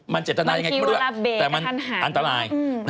มันเจตนายังไงขึ้นมาด้วยแต่มันอันตราย